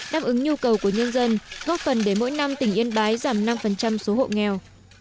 đáp ứng nhu cầu của nhân dân góp phần để mỗi năm tỉnh yên bái giảm năm số hộ nghèo